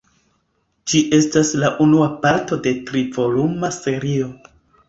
Ĝi estas la unua parto de tri-voluma serio.